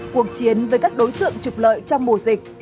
cuộc chiến với các đối tượng trục lợi trong mùa dịch